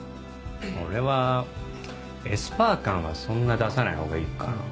俺はエスパー感はそんな出さないほうがいいかな。